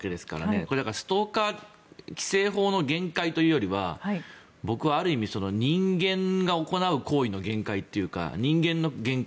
これ、ストーカー規制法の限界というよりは僕はある意味人間が行う行為の限界というか人間の限界